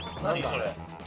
それ。